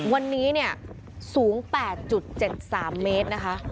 วันนี้เนี่ยสูง๘๗๓เมตรนะคะ